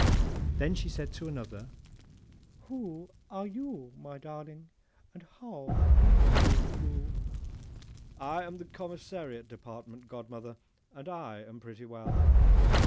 Then she said to another, 'Who are you, my darling, and how do you do?'—'I am the Commissariat Department, godmother, and I am pretty well!